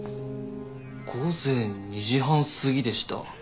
午前２時半過ぎでした。